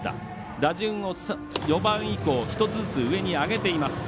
打順を４番以降１つずつ上に上げています。